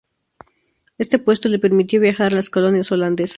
Este puesto le permitió viajar a las colonias holandesas.